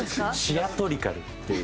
シアトリカルっていう。